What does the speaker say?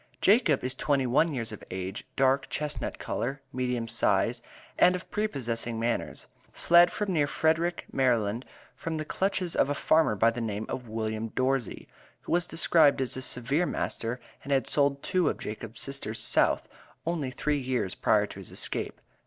Jacob is twenty one years of age, dark chestnut color, medium size, and of prepossessing manners. Fled from near Frederick, Md., from the clutches of a farmer by the name of William Dorsey, who was described as a severe master, and had sold two of Jacob's sisters, South, only three years prior to his escape.